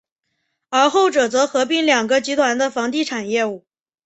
而后者则合并两个集团的房地产业务。